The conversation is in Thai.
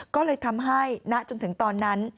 ก็เลยทำให้ณจนถึงตอนนั้น